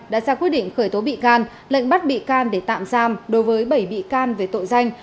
đã ra quyết định khởi tố bị can lệnh bắt bị can để tạm giam đối với bảy bị can về tội danh